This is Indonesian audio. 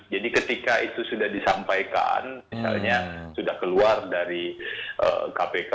jadi ketika itu sudah disampaikan misalnya sudah keluar dari kpk